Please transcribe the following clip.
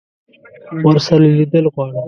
ورسره لیدل غواړم.